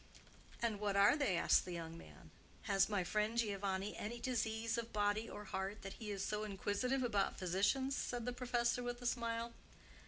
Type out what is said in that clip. "And what are they?" asked the young man. "Has my friend Giovanni any disease of body or heart, that he is so inquisitive about physicians?" said the professor, with a smile.